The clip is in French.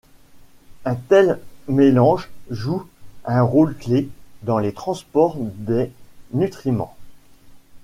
Un tel mélange joue un rôle-clé dans le transport des nutriments.